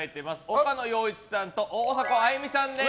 岡野陽一さんと大迫あゆみさんです。